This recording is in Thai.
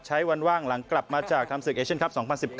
ใช้วันว่างหลังกลับมาจากทำศึกเอเชียนคลับ๒๐๑๙